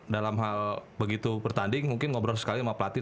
dalam hal begitu pertanding mungkin ngobrol sekali sama pelatih